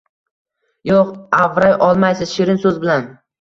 Yo’q, avray olmaysiz shirin so’z bilan